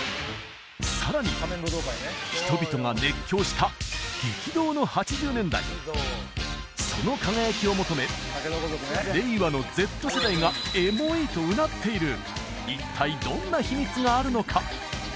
さらに人々が熱狂した激動の８０年代その輝きを求め令和のＺ世代が「エモい！」とうなっている一体どんな秘密があるのか？